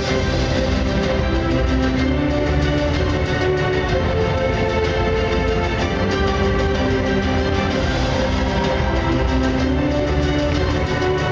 สวัสดีค่ะเรามีเก้าอี้ให้คุณนะฮะเชิญค่ะ